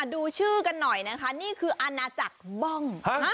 ดูชื่อกันหน่อยนะคะนี่คืออาณาจักรบ้อง